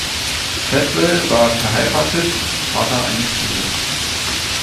Treadwell war verheiratet und Vater eines Kindes.